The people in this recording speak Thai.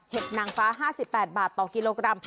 นางฟ้า๕๘บาทต่อกิโลกรัม